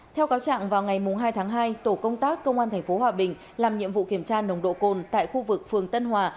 theo cáo trạng vào ngày hai tháng hai tổ công tác công an tp hòa bình làm nhiệm vụ kiểm tra nồng độ cồn tại khu vực phường tân hòa